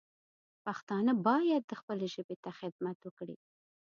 پښتانه باید خپلې ژبې ته خدمت وکړي